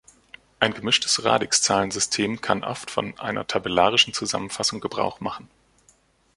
Ein gemischtes Radix-Zahlensystem kann oft von einer tabellarischen Zusammenfassung Gebrauch machen.